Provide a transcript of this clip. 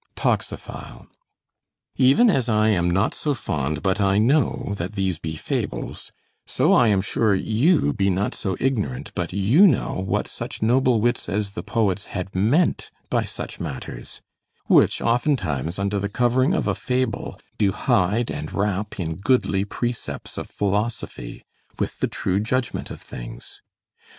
Toxophile Even as I am not so fond but I know that these be fables, so I am sure you be not so ignorant but you know what such noble wits as the poets had, meant by such matters; which oftentimes, under the covering of a fable, do hide and wrap in goodly precepts of philosophy, with the true judgment of things.